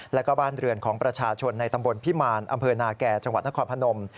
แล้วก็บ้านเรือนของประชาชนในตำบลพิมารอำเภอนาแก่จังหวัดนครพนม